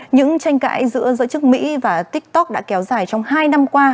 những tranh cãi giữa giới chức mỹ và tiktok đã kéo dài trong hai năm qua